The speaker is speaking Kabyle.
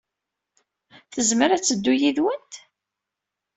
Tezmer ad teddu yid-went?